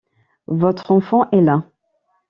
Votre enfant est là.